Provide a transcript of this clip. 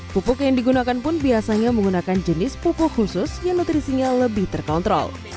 pupuk yang digunakan pun biasanya menggunakan jenis pupuk khusus yang nutrisinya lebih terkontrol